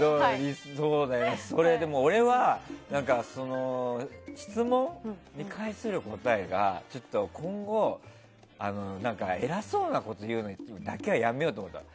俺は、質問に返せる答えがちょっと今後偉そうなことを言うのだけはやめようと思ったの。